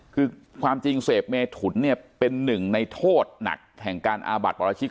คือความจริงเสพเมถุนเนี่ยเป็นหนึ่งในโทษหนักแห่งการอาบัติปราชิก